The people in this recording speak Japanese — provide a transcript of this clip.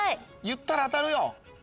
言ったら当たるよ。